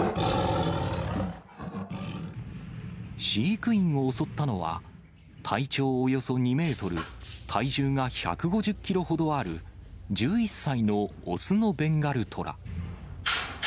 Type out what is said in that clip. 飼育員を襲ったのは、体長およそ２メートル、体重が１５０キロほどある１１歳の雄のベンガルトラ。